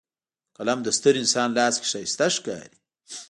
قلم د ستر انسان لاس کې ښایسته ښکاري